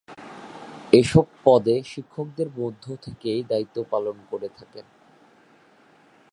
এসব পদে শিক্ষকদের মধ্য থেকেই দায়িত্ব পালন করে থাকেন।